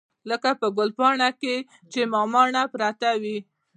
لکه په ګلپاڼه چې مماڼه پرته وي.